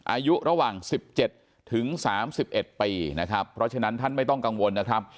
อายุระหว่างสิบเจ็ดถึงสามสิบเอ็ดปีนะครับเพราะฉะนั้นท่านไม่ต้องกังวลนะครับ